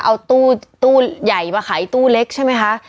เอาตู้ใหญ่มาขายตู้เล็กใช่ไหมคะ